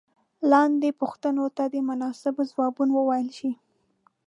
لاندې پوښتنو ته دې مناسب ځوابونه وویل شي.